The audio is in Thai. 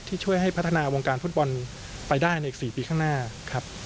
ช่วยให้พัฒนาวงการฟุตบอลไปได้ในอีก๔ปีข้างหน้าครับ